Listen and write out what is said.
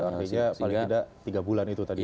artinya paling tidak tiga bulan itu tadi